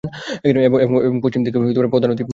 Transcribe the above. এবং পশ্চিম দিকে পদ্মা নদী/ফরিদপুর জেলা।